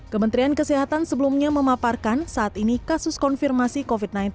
kementerian kesehatan sebelumnya memaparkan saat ini kasus konfirmasi covid sembilan belas